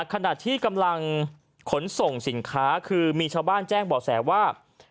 ขณะที่กำลังขนส่งสินค้าคือมีชาวบ้านแจ้งบ่อแสว่า